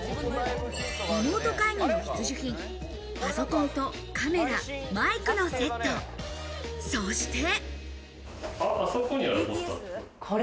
リモート会議の必需品、パソコンとカメラマイクのセット、そして。